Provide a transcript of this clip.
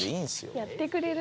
「やってくれるんだ」